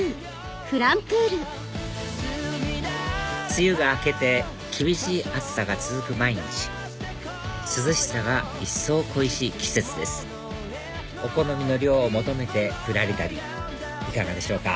梅雨が明けて厳しい暑さが続く毎日涼しさが一層恋しい季節ですお好みの涼を求めてぶらり旅いかがでしょうか？